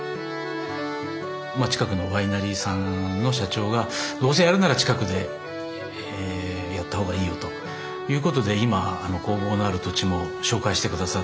近くのワイナリーさんの社長がどうせやるなら近くでやった方がいいよということで今工房のある土地も紹介して下さったりですね